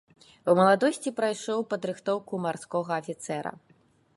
У маладосці прайшоў падрыхтоўку марскога афіцэра.